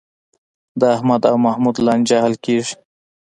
د احمد او محمود لانجه حل کېږي.